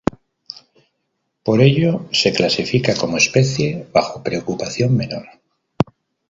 Por ello se clasifica como especie bajo preocupación menor.